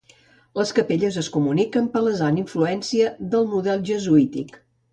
Les capelles es comuniquen palesant influència del model jesuític.